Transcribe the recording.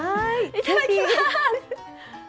いただきます！